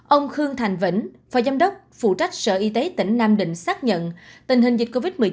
ông khương thành vĩnh phó giám đốc phụ trách sở y tế tỉnh nam định xác nhận tình hình dịch covid một mươi chín